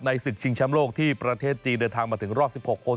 ศึกชิงแชมป์โลกที่ประเทศจีนเดินทางมาถึงรอบ๑๖คน